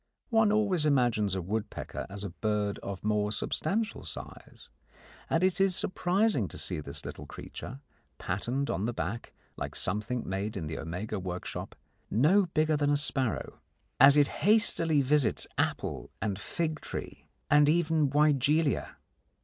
One always imagines a woodpecker as a bird of more substantial size, and it is surprising to see this little creature, patterned on the back like something made in the Omega workshop, no bigger than a sparrow, as it hastily visits apple and fig tree and even wygelia.